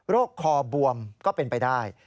คอบวมก็เป็นไปได้